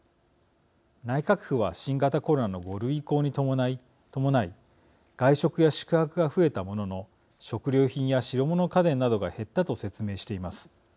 内閣府は新型コロナの５類移行に伴い外食や宿泊が増えたものの食料品や白物家電などが減ったと説明しています。